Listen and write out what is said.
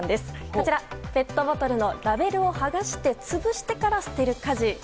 こちら、ペットボトルのラベルをはがして潰してから捨てる家事。